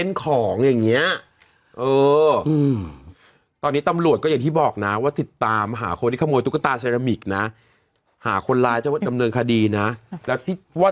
ไม่มีใครสนใจข่าวเรื่องนี้เลย